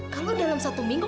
kalo dalam satu minggu